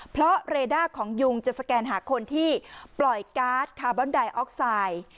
เพราะเรด้าของยุงจะสแกนหาคนที่ปล่อยการ์ดคาร์บอนไดออกไซด์